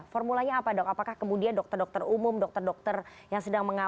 formulanya apa dok apakah kemudian dokter dokter umum dokter dokter yang sedang mengalami